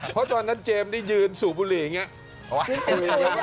เพราะตอนนั้นเจมป์ได้ยืนส่วบบุรีเนี่ย